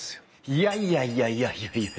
いやいやいやいやいやいや。